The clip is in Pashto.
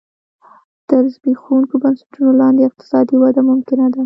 تر زبېښونکو بنسټونو لاندې اقتصادي وده ممکنه ده.